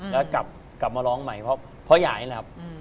แล้วกลับมาร้องใหม่เพราะยายนะครับ